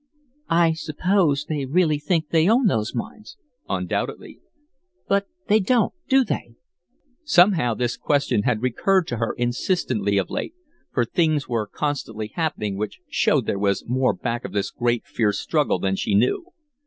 "I suppose they really think they own those mines." "Undoubtedly." "But they don't, do they?" Somehow this question had recurred to her insistently of late, for things were constantly happening which showed there was more back of this great, fierce struggle than she knew.